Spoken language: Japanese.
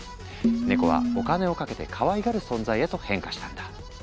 ネコはお金をかけてかわいがる存在へと変化したんだ。